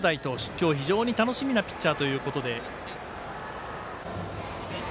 今日、非常に楽しみなピッチャーということで。